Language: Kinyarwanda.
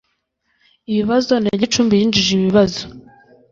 ibibazo na gicumbi yinjije ibibazo